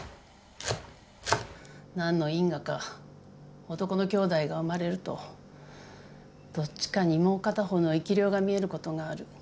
「何の因果か男の兄弟が生まれるとどっちかにもう片方の生霊が見えることがある。